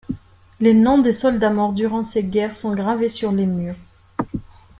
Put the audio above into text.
Les noms des soldats morts durant ces guerres sont gravés sur les murs.